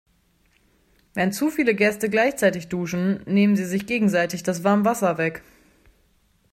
Wenn zu viele Gäste gleichzeitig duschen, nehmen sie sich gegenseitig das Warmwasser weg.